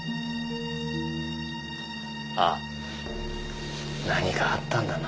あっ何かあったんだな？